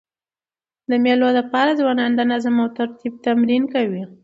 د مېلو له پاره ځوانان د نظم او ترتیب تمرین کوي.